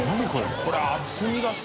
これ。